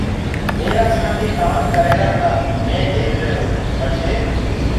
ميرآ سآٿيٚ ڪآم ڪريهرآ تآ مي ديک ريهرو تو پڇي